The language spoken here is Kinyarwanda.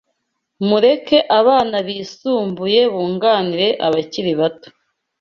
Mureke abana bisumbuye bunganire abakiri bato